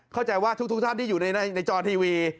เข้าใจว่าทุกท่านที่อยู่ในจอทีวี